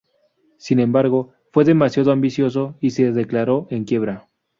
Sin embargo, fue demasiado ambicioso y se declaró en quiebra.